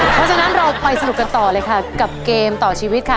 เพราะฉะนั้นเราไปสนุกกันต่อเลยค่ะกับเกมต่อชีวิตค่ะ